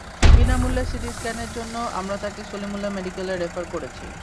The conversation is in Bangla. বিনা মূল্যে সিটি স্ক্যানের জন্য আমরা তাকে সলিমুল্লাহ মেডিকেলে রেফার করেছি।